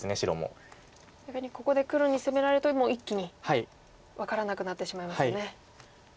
逆にここで黒に攻められるともう一気に分からなくなってしまいますよね。